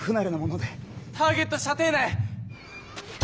ターゲット射程内！